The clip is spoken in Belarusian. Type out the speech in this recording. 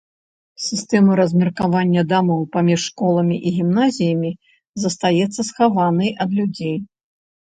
Сістэма размеркавання дамоў паміж школамі і гімназіямі застаецца схаванай ад людзей.